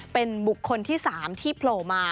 เป็นบุคคลที่สามที่โพลมา